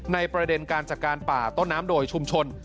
ประเด็นการจัดการป่าต้นน้ำโดยชุมชน